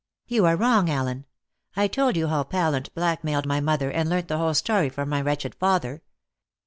"You are wrong, Allen. I told you how Pallant blackmailed my mother, and learnt the whole story from my wretched father.